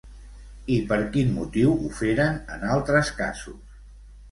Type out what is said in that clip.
I per quin motiu ho feren en altres casos?